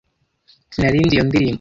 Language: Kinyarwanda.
Sinari nzi iyo ndirimbo.